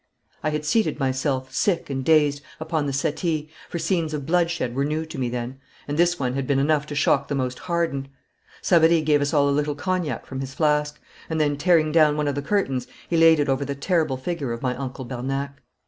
I had seated myself, sick and dazed, upon the settee, for scenes of bloodshed were new to me then, and this one had been enough to shock the most hardened. Savary gave us all a little cognac from his flask, and then tearing down one of the curtains he laid it over the terrible figure of my Uncle Bernac.